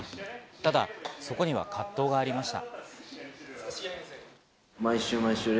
ただ、そこには葛藤がありました。